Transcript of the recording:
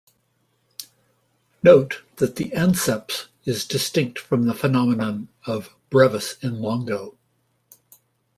Note that the anceps is distinct from the phenomenon of "brevis in longo".